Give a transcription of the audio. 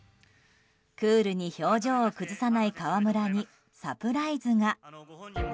クールに表情を崩さない河村にサプライズが。